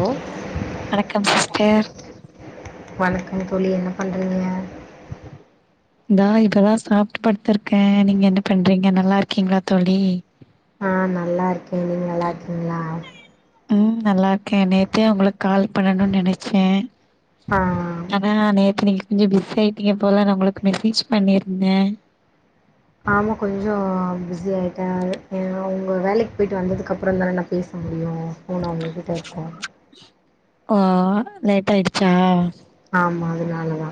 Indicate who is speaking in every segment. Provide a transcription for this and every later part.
Speaker 1: ஓ
Speaker 2: வணக்கம் சிஸ்டர்
Speaker 1: வணக்கம் தோழி என்ன பண்றீங்க
Speaker 2: இந்தா இப்பதா சாப்ட்டு படுத்திருக்க நீங்க என்ன பண்றீங்க நல்லா இருக்கீங்களா தோழி
Speaker 1: ஆ நல்லா இருக்கே நீங்க நல்லா இருக்கீங்ளா
Speaker 2: ம் நல்லா கே நேத்தே உங்ளுக் கால் பண்ணணுன் நெனச்சே
Speaker 1: ஆ
Speaker 2: ஆனா நேத்து நீங்க கொஞ்சோ பிசி ஆய்ட்டிங்க போல நா உங்களுக்கு மெசேஜ் பண்ணிருந்த
Speaker 1: ஆமா கொஞ்சோ ஃபிஸி ஆய்ட்ட அவுங்க வேலைக்கு போய்ட்டு வந்ததுக்கப்றநா தான நா பேச முடியு ஃபோன் அவுங்ககிட்ட இருக்கு
Speaker 2: ஆ லேட் ஆய்டுச்சா
Speaker 1: ஆமா அதுனால தா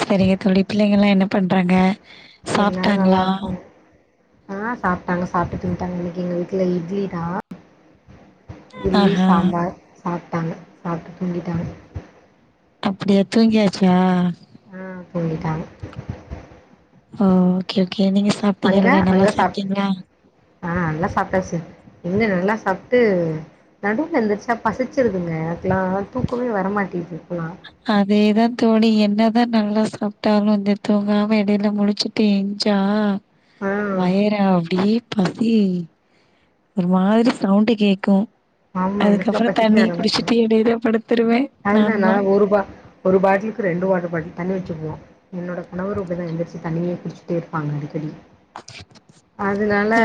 Speaker 2: சரிங்க தோழி பிள்ளைங்கலா என்ன பண்றாங்க
Speaker 1: எல்லாரு
Speaker 2: சாப்ட்டாங்களா
Speaker 1: நல்லார்க்காங்க ஆ சாப்ட்டாங்க சாப்ட்டு தூங்கிட்டாங்க இன்னைக்கு எங்க வீட்ல இட்லி தா இட்லி
Speaker 2: ஆஹா
Speaker 1: சாம்பார் சாப்ட்டாங்க சாப்ட்டு தூங்கிட்டாங்க.
Speaker 2: அப்டியா தூங்கியாச்சா
Speaker 1: ஆ தூங்கிட்டாங்க
Speaker 2: ஆ ஓகே கே நீங்க
Speaker 1: அங்க
Speaker 2: சாப்ட்டிங்கல்ல நல்லா
Speaker 1: அங்க சாப்
Speaker 2: சாப்ட்டிங்ளா
Speaker 1: ஆ நல்லா சாப்ட்டாச்சு எங்க நல்லா சாப்ட்டு நடுவுல எந்திரிச்சா பசிச்சிருதுங்க எனக்லா தூக்கமே வரமாட்டிது.
Speaker 2: அதேதா தோழி என் னதா நல்லா சாப்ட்டாலு வந்து தூங்காம எடைல முழிச்சிட்டு எந்ச்சா
Speaker 1: ஆ
Speaker 2: வயற அப்டியே பசி ஒரு மாதிரி சவுண்டு கேக்கு
Speaker 1: ஆமா எனக்குலா
Speaker 2: அதுக்கப்பற தண்ணிய குடிச்சிட்டு எடையில படுத்துருவ
Speaker 1: அதுல நா ஒரு பா ஒரு பாட்லுக்கு ரெண்டு வாட்டர் பாட்டில் தண்ணி வெச்சுக்குவோ என்னோட கணவரு இப்டிதா எந்திரிச்சு தண்ணியே குடிச்சிட்டே இருப்பாங்க அடிக்கடி அதுனால
Speaker 2: ஓ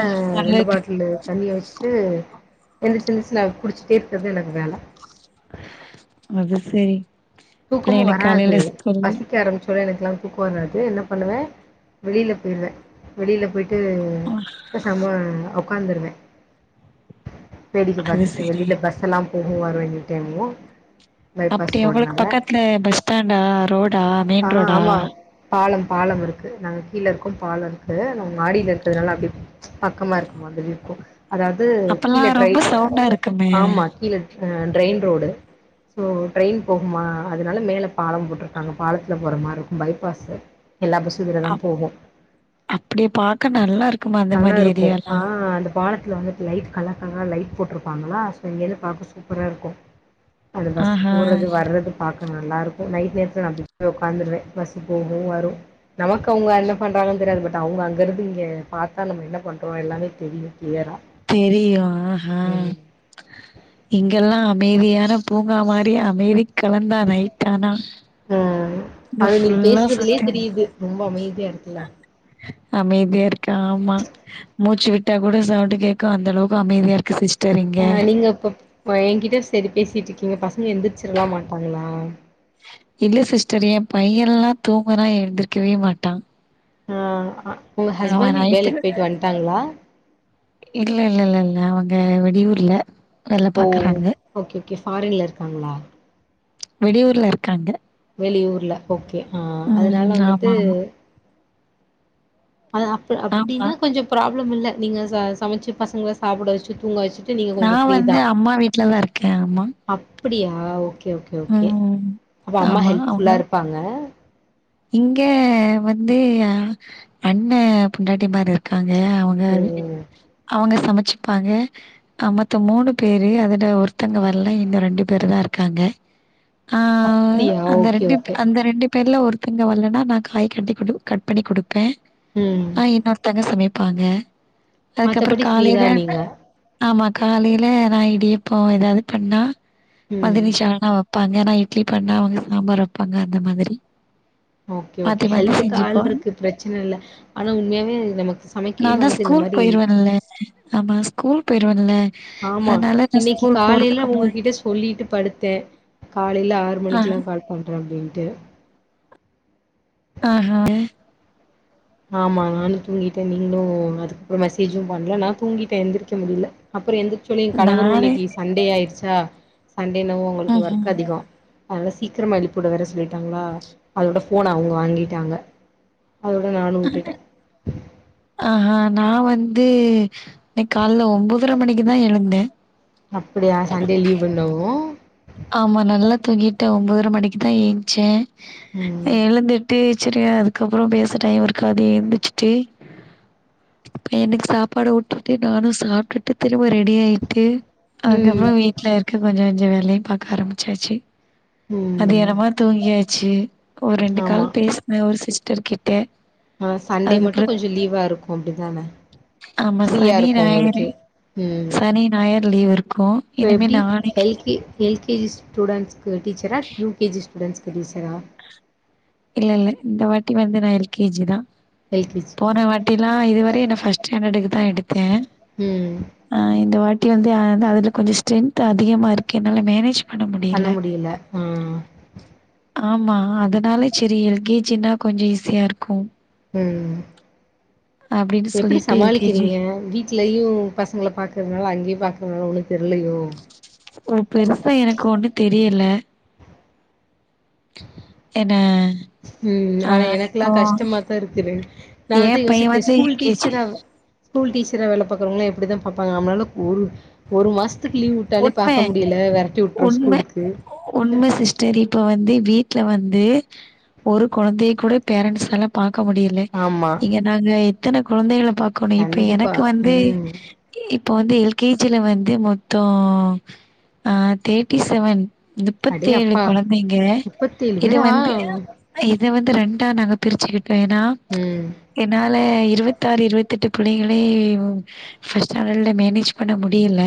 Speaker 1: ரெண்டு
Speaker 2: நல்லது
Speaker 1: பாட்டிலு தண்ணிய வெச்சுட்டு எந்துச்சு எந்துச்சு நா குடிச்சுட்டு இருக்றது எனக்கு வேல
Speaker 2: அது செரி
Speaker 1: தூக்கமு வராது பசிக்க ஆரம்ச்ச ஒன்னே எனக்கு லா தூக்கோ வராது என்ன பண்ணுவே வெளில போயிருவே வெளில போயிட் டு பேசாம அப் உக்காந்துருவே வேடிக்க
Speaker 2: அது
Speaker 1: பாத்துட்டு
Speaker 2: சரி
Speaker 1: வெளில பஸ் எல்லா போகு வரு எந் த டைம்மு பைபாஸ்
Speaker 2: அப்டி
Speaker 1: ரோடுனால
Speaker 2: [unintelligible] பஸ் ஸ்டாண்டா ரோடா
Speaker 1: ஆ
Speaker 2: மெயின் ரோடா
Speaker 1: ங்க கீழ இருக்கோ பாலம் இருக்கு நாங்க மாடியில இருக்குறதுனால அப்டி ப்ச் பக்கமா இருக்குமா அ இருக்கும் அதாவது கீழ
Speaker 2: அப்பல்லாம்
Speaker 1: ட்ரை
Speaker 2: ரொம்ப சவுண்டா இருக்குமே
Speaker 1: ஆமா கீழ ட்ரெயின் ரோடு சோ ட்ரெயின் போகுமா அதனால மேலே பாலம் போட்டிருக்காங்க பாலத்துல போற மாரி இருக்கும் பைபாஸு எல்லா பஸ்ஸு இதுல தா
Speaker 2: அப்
Speaker 1: போகு
Speaker 2: அப்படி பாக்க நல்லா இருக்குமா அந்த மாதிரி ஏரியாலாம்
Speaker 1: ட்ல வந்து லைட் கலர் கலரா லைட் போட்டிருப்பாங்களா சோ இங்கருந்து பாக்க சூப்பரா இருக்கும் அது பஸ்
Speaker 2: ஆஹா
Speaker 1: போறது வர்றது பாக் நல்லாருக்கும் நைட்நேரத்தில நான் அங்க போய் உட்காந்துருவேன் பஸ்ஸு போகும் வரும் நமக்கு அவங்க என்ன பண்றாங்கன்னு தெரியாது பட் அவங்க அங்கிறது இங்க பார்த்தா நம்ம என்ன பண்றோம் எல்லாமே தெரியும் கிளியரா
Speaker 2: தெரியு ஆஹ
Speaker 1: ம்
Speaker 2: இங்கெல்லாம் அமைதியான பூங்கா மாரி அமைதி கலந்தா நைட் ஆனா
Speaker 1: ம்
Speaker 2: இந்த
Speaker 1: அது நீங்க
Speaker 2: ஃபுல்லா
Speaker 1: பேசுறதுலயே தெரியுது ரொம்ப அமைதியா இருக்குல்ல
Speaker 2: [unintelligible] அமைதியா இருக்கு ஆமா மூச்சு விட்டா கூட சவுண்டு கேக் கும் அந்த அளவுக்கு அமைதியாருக்கு சி்ஸ்ட்
Speaker 1: ஆ நீங்க அப்ப [unintelligible] என்கிட்ட சரி பேசிட்டு இருக்கீங்க பசங் ங்க எந்திரச்சிடலாம் மாட்டாங்களா
Speaker 2: பையல்லா தூங்குனா எழுந்திருக்கவே மாட்டான்
Speaker 1: அஅ உங்க ஹஸ்பண்ட் வேலைக்கு போயிட்டு வந்ட்டாங்ளா
Speaker 2: இல்ல இல்ல இல்லல்ல அவங்க வெளியூர்ல வேல
Speaker 1: ஓ
Speaker 2: பாக்குறாங்க
Speaker 1: ஓகே ஓகே ஃபாரின்ல இருக்காங்ளா
Speaker 2: வெளியூர்ல இருக்காங்க
Speaker 1: வெளியூர்ல ஓகே ஆ அதுனால
Speaker 2: ம்
Speaker 1: வந்துட்டு
Speaker 2: ஆமா ஆமா
Speaker 1: அது அப்
Speaker 2: ஆமா
Speaker 1: அப்டின்னா கொஞ்சோ ப்ராப் ப்ளம் இல்ல நீங்க ச சமச்சு பசங்கள சாப்பிட வெச்சுட்டு தூங்கா வெச்சுட்டு
Speaker 2: நா வந்து அம்மா வீட்லதா இருக்கே அம்மா
Speaker 1: அப்டியா ஓகே ஓக்கே ஓகே ஓகே அப்போ அம்மா
Speaker 2: ஆமா அவங்க
Speaker 1: ஹெல்ப்ஃபுல்லா இருப்பாங்க
Speaker 2: இங்க வந்து அண்ண பொண்டாட்டி மாரி இருக்காங் அவங்க
Speaker 1: ஓ
Speaker 2: வீட் அவங்க சமைச் வெச்சுப்பாங்க அ மொத்தோ மூணு பேரு அதுல ஒருத்தங்க வரல இன்னு ரெண்டு பேரு தா இருக்காங்க ஆ
Speaker 1: அப்படியா
Speaker 2: அந்த
Speaker 1: ஓகே
Speaker 2: ரெண்டுப் பே
Speaker 1: ஓகே
Speaker 2: அந்த ரெண்டுப் பேர்ல ஒருத் தங்க வல்லன்னா நா காய் கட்டி குடு கட் பண்ணி குடுப்பே
Speaker 1: ம்
Speaker 2: ஆ இன்னொருத்தங்க சமைப் பாங்க அதுக்கப்றோ
Speaker 1: மத்தபடி ஃப்ரீ தா
Speaker 2: காலேல என்ன
Speaker 1: நீங்க
Speaker 2: ஆமா காலேல நா இடியப்போ ஏதாவது பண்ணா
Speaker 1: ம்
Speaker 2: மதினி சால்னா வப் பண்யா நா இட்லி பண்ண அவங்க சாம்பார் வப்பாங்க அந்த மாதிரி
Speaker 1: ஓகே
Speaker 2: மாத்தி
Speaker 1: ஓகே
Speaker 2: மாத்தி
Speaker 1: ஹெல்ப்புக்கு ஆள்
Speaker 2: செஞ்சுப்போ
Speaker 1: இருக்கு பிரச்சன இல்ல ஆனா உண்மையாவே அது நமக்கு சமைக்கையில
Speaker 2: நாந்தா
Speaker 1: வந்துட்டு இந்த
Speaker 2: ஸ்கூல்
Speaker 1: மாரி
Speaker 2: போய்ருவன்ல்ல ஆமா ஸ்கூல் ஸ்கூல் பேய்ருவன்ல
Speaker 1: ஆமா
Speaker 2: அதனால நா
Speaker 1: இன்னைக்கி காலைல
Speaker 2: முன்னாடி
Speaker 1: உங்ககிட்ட சொல்லிட்டு படுத்த காலைல ஆறு
Speaker 2: ஆஹ
Speaker 1: மணிக்கக்குல்லா கால் பண்ற அப்டின்னு ட்டு
Speaker 2: ஆஹா
Speaker 1: ஆமா நானு தூங்கிட்ட நீங்களு அதுக்கப்றோ மெசேஜு பண்ல நா தூங்கிட்ட எந்திரிக்க முடில அப்றோ எந்த் அக்சுலி எ கணவரு
Speaker 2: நானே
Speaker 1: இன்னைக்கி சண்டே ஆய்டுச்சி தா சண்டேனவு அவங்களுக்கு
Speaker 2: ம்ஹும்
Speaker 1: ஒர்க் அதிகோ அதனால சீக்கிரமா எழுப்பிய உட வேற சொல்லிட்டாங்களா அதோட ஃபோன் அவங்க வாங்கிட்டாங்க அதோ நானு உட்டுட்ட
Speaker 2: ஆஹ நா வந்து இன்னிக் கால்ல ஒம்பதர மணிக்குதா எழுந்த
Speaker 1: அப்படியா சண்டே லீவ்வல்லோ
Speaker 2: ஆமா நல்லா தூங்கிட்ட ஒம்போதர மணிக்குதா ஏஞ்ச
Speaker 1: ம்.
Speaker 2: எழுந்திட்டு செரி அதுக்கப்றோ பேச டைம் இருக்காது எந்துச்சுட்டு பையனுக்கு சாப்பாடு ஊட்டிட்டு நானு சாப்டுட்டு போய் ரெடி ஆயிட்டு
Speaker 1: ம்.
Speaker 2: அதுக்கப்ற வீட்ல இருக்க கொஞ்ச கொஞ்ச வே லைய பாக் க ஆரம்பிச்சாச்சி அது
Speaker 1: ம்.
Speaker 2: என்னமோ தூங்கியாச்சு ஒரு ரெண்டு
Speaker 1: ஆமா.
Speaker 2: கால் பேசுன ஒரு சிஸ் டர் கிட்ட
Speaker 1: ஆ சண்டே மட்டு
Speaker 2: அதுக்கப்புறோ
Speaker 1: கொஞ்ச லீவா இருக்கு அப்டிதான
Speaker 2: ஆமா
Speaker 1: ஃப்ரீயா
Speaker 2: சனி
Speaker 1: இருக்கு
Speaker 2: ஞாயிறு
Speaker 1: உங்களுக்கு ம்
Speaker 2: சனி ஞாயிறு லீவ் இருக்கு
Speaker 1: இப்ப
Speaker 2: இனிமே
Speaker 1: எப்டி
Speaker 2: நாளைக்கு
Speaker 1: L K L K G ஸ்டுடென்ட்ஸ்க்கு டீச்சரா யூ கே ஜி ஸ்டுடென்ட்ஸ் கு டீச்சரா
Speaker 2: இல்ல இல்ல இந்த வாட்டி வந்து நா எல் கே ஜி தா
Speaker 1: எல்கேஜிக்கு
Speaker 2: போன வாட்டில்லா இது வரையு நா ஃபர்ஸ்ட் ஸ்டாண்டர்டுக்கு தான் எடுத்தே
Speaker 1: ம்
Speaker 2: ஆ இந்த வாட்டி [unintelligible] வந்து அதுல கொஞ்ச ஸ்ட்ரென்த் அதிகமாக இருக்கு என்னால மேனேஜ்
Speaker 1: பண்ண முடியல உஹம்
Speaker 2: ஆமா அதனால சரி எல் கே ஜினா கொஞ்ச ஈஸியா இருக்கு
Speaker 1: ம்
Speaker 2: அப்டின்னு சொல்லிட்டு எல் கே ஜி
Speaker 1: வீட்லையு பசங்ள பாக்றதுனால அங்கயு பாக்றதுனால ஒண்ணு தெர்லயோ
Speaker 2: ஓ பெருசா எனக்கு ஒண்ணு தெரியல என்ன
Speaker 1: ம்
Speaker 2: ஆ
Speaker 1: ஆனா எனக்குல்லா
Speaker 2: இப்போ
Speaker 1: கஷ்டமாதா இருக்குது நா
Speaker 2: ஏ
Speaker 1: அதா
Speaker 2: பைய
Speaker 1: யோசிப்பே
Speaker 2: வந்து
Speaker 1: ஸ்கூல்
Speaker 2: எல் கே ஜி
Speaker 1: டீச்சரா ஆ ஸ்கூல் டீச்சர வேல பாக்றவங்கள எப்டி தான் பாப்பாங்க நம்ளால ஒரு ஒரு மாச
Speaker 2: உண்ம உண்ம
Speaker 1: ஸ்கூலுக்கு
Speaker 2: உண்ம சிஸ்டர் இப்ப வந்து வீட்ல வந்து ந்து ஒரு கொழந்தைய கூட பேரன்ட்ஸ் ஆலா பார்க் க்க முடில
Speaker 1: ஆமா
Speaker 2: இங்க நாங்க எத்தன கொழந்தைகள பாக்ணு இப்ப
Speaker 1: கண்டிப்பா
Speaker 2: எனக்கு வந்து
Speaker 1: ம்
Speaker 2: இப் இப்ப வந்து எல் கே ஜில வந்து மொத் மொத்தோ தேர்ட்டி செவன்
Speaker 1: அடே
Speaker 2: முப்பதேழு
Speaker 1: அப்பா
Speaker 2: கொழந்தைங்க
Speaker 1: முப்பத்தேழு
Speaker 2: இது
Speaker 1: பேரா
Speaker 2: வந்து இப் இத வந்து ரெண்டா நாங்க பிரிச்சுக்கிட் டேனா
Speaker 1: ம் ம்
Speaker 2: ஏன அதுல இருவத்தாறு இருவத்தெட்டு பிள்ளைங்ள ஃபர்ஸ்ட் ஸ்டாண்டர்டடுல மேனேஜ் பண்ண முடியல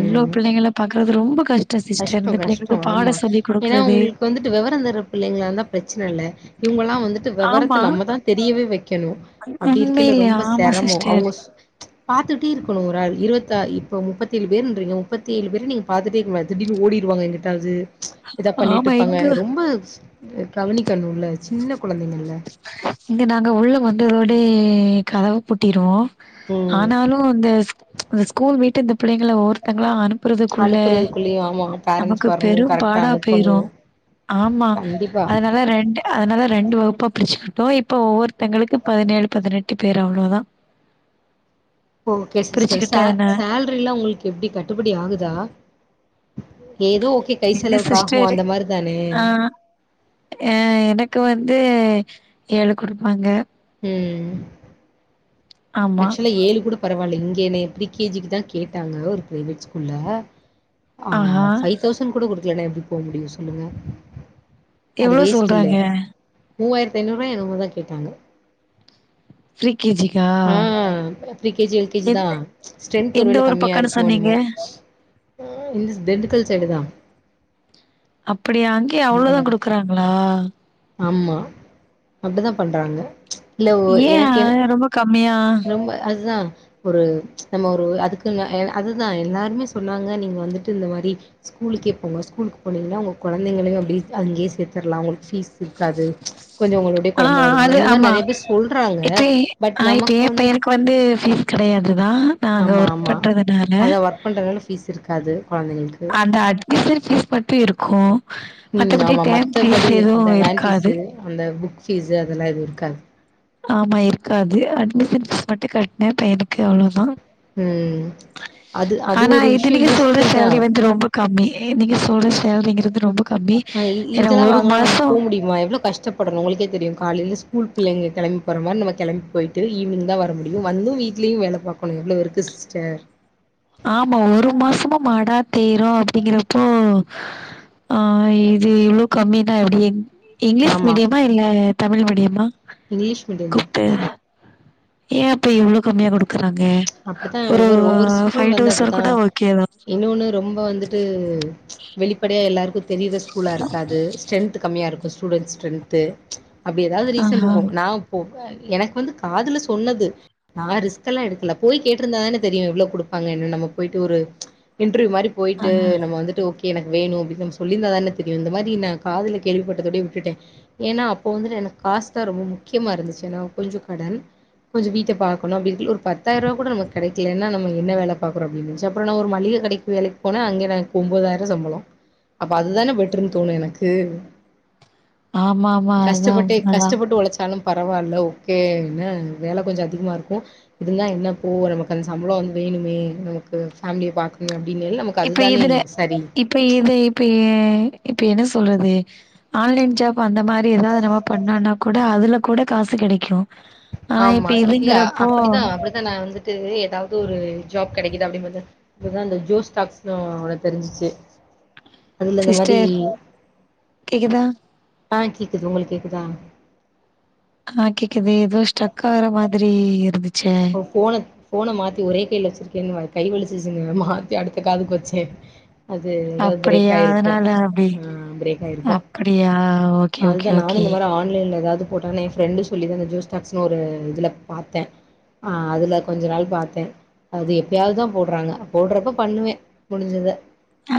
Speaker 2: இவ்ளோ புள்ளைங்கல பாக் து ரொம்ப கஷ்
Speaker 1: கஷ்டொம் கஷ்டொம் ஆமா ஏனா
Speaker 2: குடுக்குறது
Speaker 1: உங்ளுக்கு வந்துட்டு வெவரம் தெர்ற பிள்ளைங்களாந்தா பிரச்சனல்ல இவுங்களாம் வந்துட்டு
Speaker 2: ஆமா
Speaker 1: வெவரத்த நம்மதான் தெரியவே வைக்கணு அப்டிருக்கைல
Speaker 2: உண்மையிலே
Speaker 1: ரொம்ப
Speaker 2: ஆமா
Speaker 1: செரமோ
Speaker 2: சிஸ்டர்
Speaker 1: அவுங்கசு பாத்துட்டேருக்கணு ஒராள் இருவத்தா இப்பொ முப்பத்தேலு பேருன்ற்றிங்க முப்பத்தேலு பேர நீங் பாத்துட்டேருக்மா திடீனு ஓடிருவாங்க எங்குட்டாவது எதப்
Speaker 2: ஆமா
Speaker 1: பண்ணிட்டுருப்பாங்க
Speaker 2: எங்க
Speaker 1: ரொம்ப ஸ் கவனிக்கணுல்ல ச்சின்னப்
Speaker 2: இங்க நாங்க உள்ள வந்தரோல் அப்டியே கதவப் பூட்டிருவோம்
Speaker 1: ம்
Speaker 2: ஆனாலு அந்த சு அந்த ஸ்கூல் வீட்டிந்த பிள்ளைங்கள ஒவ்வொருத்தங்களா அனுப் அனுப்பறதுக்குள்ள
Speaker 1: அனுப்புறதுக்குள்ளயு ஆமா பேரண்ட்ஸ்
Speaker 2: நமக்கு
Speaker 1: வரணு
Speaker 2: பெரும்
Speaker 1: கரெக்டா
Speaker 2: பாடா
Speaker 1: அனுப்பணு
Speaker 2: போயிரு ஆமா
Speaker 1: கண்டிப்பா
Speaker 2: அதனால ரெண்டு அதனால ரெண்டு வகுப்பா பிரிச்சுகிட்டோ இப்போ ஒவ்வொருத்தங்களுக்கு பதனேலு பதினெட்டு பேரு அவ்ளோதா
Speaker 1: ஓகே சிஸ்டர்
Speaker 2: பிரிச்சுக்கிட்டே
Speaker 1: சே
Speaker 2: என்ன
Speaker 1: சேல்ரிலா உங்களுக்கு எப்டி கட்டுபடியாகுதா ஏதோ ஓகே கை
Speaker 2: என்ன
Speaker 1: செலவுக்கு ஆகு
Speaker 2: சிஸ்டரு
Speaker 1: அந்த மாரி தானே
Speaker 2: ஆ அ எனக்கு வந்து ஏழு குடுப்பாங்க
Speaker 1: ம்
Speaker 2: ஆமா.
Speaker 1: ஆக்சுலா ஏழு கூடோ பரவால்ல இங்க என்னய ப்ரீ கே ஜி க்கு தா கேட்டாங்க ஒரு ப்ரைவேட் ஸ்கூல்ல ஆ
Speaker 2: ஆஹா!
Speaker 1: ஃபை தௌசண் கூடக் குடு க்லன்னா எப்புட் போ முடியு சொல்லுங்க
Speaker 2: எவ்ளோ சொல்றாங்க
Speaker 1: மூவாயிரத்து ஐநூ ரூவா என்னவோதா கேட்டாங்க
Speaker 2: ப்ரீ கே ஜி
Speaker 1: ம் pre K G L K G தா
Speaker 2: எந்த
Speaker 1: ஸ்ட்ரென்த்
Speaker 2: எந்த
Speaker 1: ஒருவேல
Speaker 2: ஊரு பக்கம்னு
Speaker 1: கம்மியாருக்குமோ
Speaker 2: சொன்னீங்க?
Speaker 1: என்னுமோ இதுஸ் திண்டுக்கல் சைடு தா
Speaker 2: அப் ப்புடியா அங்கேயா அவ்ளோதா
Speaker 1: ம்
Speaker 2: குடுக்குறாங்ளா
Speaker 1: ஆமா அப்டிதா பண்றாங்க இல்ல
Speaker 2: ஏன்
Speaker 1: எனக்கு
Speaker 2: அ ரொம்போ கம்மியா
Speaker 1: ரொம்ப அதுதா ஒரு நம்ம ஒரு அதுக்குன் அ ஏ அதுதா எல்லாருமே சொன்னாங்க நீங்க வந்துட்டு இந்த மாரி ஸ்க்கூலுக்கேப் போங்க ஸ்கூலுக்குப் போனிங்கனா உங்க கொழந்தைங்களையும் அப்டி அங்கே சேத்துர்லா அங்களுக் ஃபீஸ் இருக்காது கொஞ்சோ உங் மறுபடியு
Speaker 2: ஆ
Speaker 1: கொழந்த வரும்ல
Speaker 2: அது
Speaker 1: இந்த மாரி
Speaker 2: ஆமா.
Speaker 1: நெறைய பேர் சொல்றாங்க
Speaker 2: இப்ப
Speaker 1: பட்
Speaker 2: ஆ
Speaker 1: நமக்
Speaker 2: இப்ப எனக்கு வந்து ஃபீஸ் கெடையாதுதா நா அங்க
Speaker 1: ஆமா
Speaker 2: ஒர்க்
Speaker 1: ஆமா
Speaker 2: பண்றதுனால
Speaker 1: அதா ஒர்க் பண்றதுனால ஃபீஸ் இருக்காது கொழந்தைங்களுக்கு
Speaker 2: அதா அ [unintelligible] ஃபீஸ் பத்தி இருக்கு
Speaker 1: ம் ஆமா மத்தபடி அந்த வேன்
Speaker 2: இருக்காது.
Speaker 1: ஃபீஸு அந்த புக் ஃபீஸ் அதெலா எது இருக்காது
Speaker 2: ஆமா இருக்காது அட்மிஷன் ஃபீஸ் மட்டு கட்னே பையனுக்கு அவ்ளோதா
Speaker 1: ம் அது அது
Speaker 2: ஆனா
Speaker 1: ஒரு
Speaker 2: இது
Speaker 1: விஷயோ
Speaker 2: நீங்க சொல்ற
Speaker 1: யூஸ்ஃபுல் தா
Speaker 2: சேலரி வந்து ரொம்ப கம்மி நீங்க சொல்ற தேவைங்றது
Speaker 1: ஆ இ இதெலா வாங்னா நம்ம போக முடியுமா எவ்ளோ கஷ்டப்படணு உங்களுக்கே தெரியு காலைல ஸ்கூல் பிள்ளைங்க கெளம்பி போற மாரி நம்ம கெளம்பி போயிட்டு ஈவினிங் தா வர முடியு வந்து வீடிலேயு வேல பாக்கனு எவ்ளோ இருக்கு சிஸ்டர்
Speaker 2: ஆமா ஒரு மாசமு மடா தேய்றோ அப்டிங்கிறப்போ ஆஹ் இது இவ்ளோ கம்மி தா எப்டியும் இங்கிலிஷ் மீடியமா இல்ல தமிழ் மீடியமா
Speaker 1: இங்கிலிஷ் மீடியம் தா
Speaker 2: ஏ அப்ப இவ்ளோ கம்மியா குடுக்க றாங்க ஒரு ஃபைவ்
Speaker 1: ந்து
Speaker 2: தௌசண்ட்
Speaker 1: அப்டித்தா
Speaker 2: கூட ஓகே தா
Speaker 1: இன்னோன்னு ரொம்ப வந்துட்டு வெளிப்படையா எல்லாருக்கு தெரியிற ஸ் ஃபுல்லா இருக்காது ஸ்டென்த் கம்மியா யாருக்கு ஸ்டூடென்ட் ஸ்ட்ரென்த்து அப்டி எதாவ்து ரீசன்
Speaker 2: ஆஹா
Speaker 1: இருக்கு நாப் போ எனக்கு வந்து காதுல சொன்னது நா ரிஸ்கலா எடுக்கல போய் கேட்ருந்தா தானே தெரியு எவ்ளோ குடுப்பாங்க என்னனு நம்ம போய்ட்டு ஒரு இன் ட்ரிவ் மாரி போயிட்டு நம்ம வந்துட்டு ஓகே எனக்கு வேணு அப்டினு நம்ம சொல்லிருந்தானே தெரியு இந்த மாரி நா காதுல கேள்விப்பட்டதோடே விட்டுட்டே ஏனா அப்போ வந்து எனக்கு காசு தா ரொம்ப முக்கியமா இருந்துச்சு ஏனா கொஞ்ச கடன் கொஞ்ச வீட்ட பாக்கணு அப்டின்டு ஒரு பத் பத்தாயிரூவா கூட நமக்கு கெடைக்கலேனா நம்ம என்ன வேல பாக்குறோ அப்டின் இருன்ச்சு அப்றோ நா ஒரு மளிக கடைக்கு வேலைக்கு போனா அங்கே எனக்கு ஒன்பதாயிர சம்பள அப்ப அதுதானே பெட்டர்னு தோணு எனக்கு
Speaker 2: ஆமா ஆமா அதா
Speaker 1: கஷ்டப்பட்டே
Speaker 2: உண்மதா
Speaker 1: கஷ்டப்பட்டு ஒழச்சாலு பரவால்ல ஓகே என்ன வேல கொஞ்ச அதிகமா இருக்கு இருந்தா என்ன இப்போ நமக்கு அந்த சம்பள வந்து வேணுமே நம்மளுக்கு ஃபேம்லிய பாக்கணுமே அப்
Speaker 2: இப்ப இதுல இப்ப இது இப்ப ஏ இப்ப என்ன சொல்றது ஆன்லைன் ஜாப் அந்த மாரி எதாவ்து நம்ம பண்ணோனா கூட அதுல கூட காசு கெடைக்கு ஆனா
Speaker 1: ஆமா
Speaker 2: இப்ப
Speaker 1: இல்ல
Speaker 2: இதுங்கிறப்போ
Speaker 1: அப்டிதா அப்டிதா நா வந்துட்டு எதாவ்து ஒரு ஜாப் கெடைக்குதா அப்டின் பாத்தா ஒரு நாள் இந்த ஜோஸ் டாக்ஸ்னு ஒன்னு தெரிஞ்சிச்சு அதுல அந்த மாரி
Speaker 2: சிஸ்டர் கேக்குதா
Speaker 1: ஆஹ் கேக்குது உங்களுக்கு கேக்குதா
Speaker 2: ஆஹ் கேக்குது எதோ ஸ்டக் ஆகுற மாதிரி இருதுச்
Speaker 1: ஒ ஃபோனத் ஃபோன மாத்தி ஒரே கைல வச்சிருக்கேன்னு வ கை வலிச்சுசுனு மாத்தி அடுத்த காதுக்கு வச்சே அது எதாவ்து பிரேக்
Speaker 2: அப்படியா
Speaker 1: ஆயிருக்கு
Speaker 2: அதனால அப்டி
Speaker 1: ஆஹ் பிரேக் ஆயிருக்கு
Speaker 2: அப்படியா ஓகே ஓகே
Speaker 1: அதுதா நானு
Speaker 2: ஓகே
Speaker 1: இந்த மாரி ஆன்லைன்ல எதாவ்து போட்டோனே எ ஃப்ரெண்டு சொல்லி தா அந்த ஜோஸ் டாக்ஸ்னு ஒரு இதுல பாத்தே ஆஹ் அதுல கொஞ்ச நாள் பாத்தே அது எப்பயாவ்து தா போட்றாங்க போட்றப்ப பண்ணுவே முடிஞ்சதா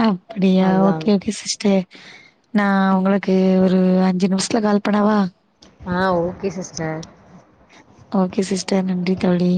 Speaker 2: அப்பிடியா ஓகே ஓகே சிஸ்டர் நா உங்களுக்கு ஒரு அஞ்சு நிம்ஷ்த்துல கால் பண்ணவா
Speaker 1: ஆஹ் ஓகே சிஸ்டர்
Speaker 2: ஓகே சிஸ்டர் நன்றி
Speaker 1: ஓகே
Speaker 2: தோழி